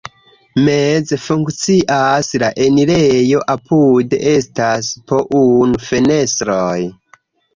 Meze funkcias la enirejo, apude estas po unu fenestroj.